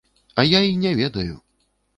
А я й не ведаю.